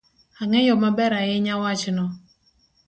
Ang'eyo maber ahinya wachno.